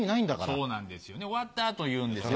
そうなんですよね終わった後言うんですよ。